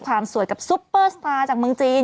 สวยกับซุปเปอร์สตาร์จากเมืองจีน